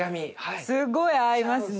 すごい合いますね。